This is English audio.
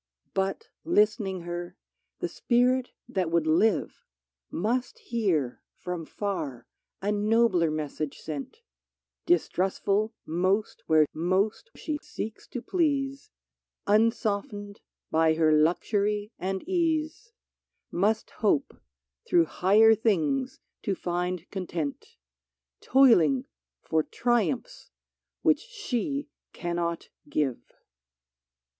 " But list'ning her, the spirit that would live Must hear, from far, a nobler message sent : Distrustful most where most she seeks to please, 84 PHILISTIA Unsoftened by her luxury and ease, Must hope through higher things to find con tent, — Toiling for triumphs which she cannot give